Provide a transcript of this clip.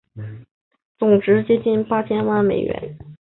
中国人均国内生产总值接近八千万美元。